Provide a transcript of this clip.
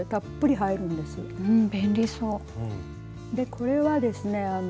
これはですね